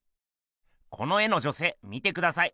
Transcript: この絵の女せい見てください。